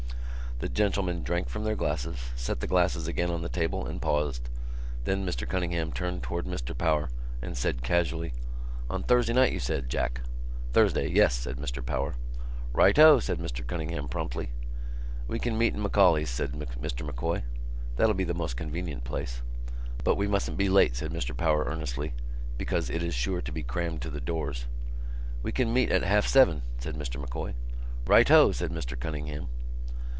The gentlemen drank from their glasses, set the glasses again on the table and paused. Then Mr Cunningham turned towards Mr Power and said casually: "On Thursday night, you said, Jack." "Thursday, yes," said Mr Power. "Righto!" said Mr Cunningham promptly. "We can meet in M'Auley's," said Mr M'Coy. "That'll be the most convenient place." "But we mustn't be late," said Mr Power earnestly, "because it is sure to be crammed to the doors." "We can meet at half seven," said Mr M'Coy. "Righto!" said Mr Cunningham.